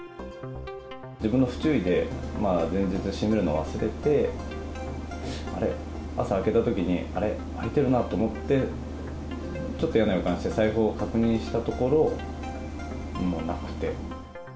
自分の不注意で、前日、閉めるのを忘れて、あれ、朝開けたときに、あれ、開いてるなと思って、ちょっと嫌な予感がして、財布を確認したところ、もうなくて。